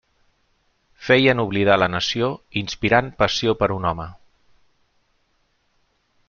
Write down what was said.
Feien oblidar la nació inspirant passió per un home.